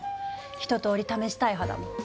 一とおり試したい派だもん。